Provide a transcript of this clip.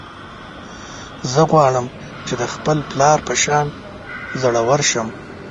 زه غواړم چې د خپل پلار په شان زړور شم